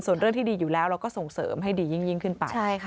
ส่วนเรื่องที่ดีอยู่แล้วเราก็ส่งเสริมให้ดียิ่งขึ้นไป